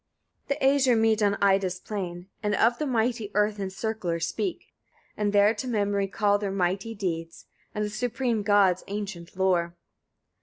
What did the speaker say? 58. The Æsir meet on Ida's plain, and of the mighty earth encircler speak, and there to memory call their mighty deeds, and the supreme god's ancient lore.